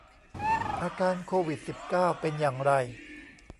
อาการโควิด สิบเก้า เป็นอย่างไร